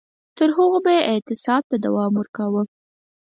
تر هغو به یې اعتصاب ته دوام ورکاوه.